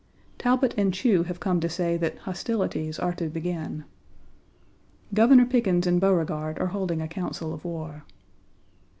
Talbot and Chew have come to say that hostilities are to begin. Governor Pickens and Beauregard are holding a council of war.